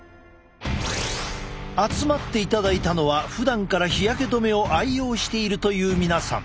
集まっていただいたのはふだんから日焼け止めを愛用しているという皆さん。